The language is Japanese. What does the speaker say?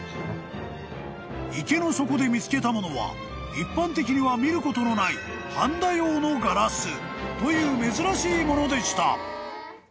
［池の底で見つけたものは一般的には見ることのないはんだ用のガラスという珍しいものでした］